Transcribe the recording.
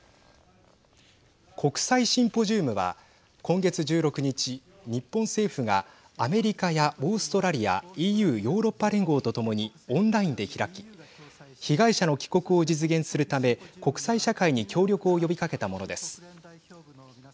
国際シンポジウムは今月１６日日本政府がアメリカやオーストラリアＥＵ＝ヨーロッパ連合とともにオンラインで開き被害者の帰国を実現するため国際社会に協力を呼びかけたものです。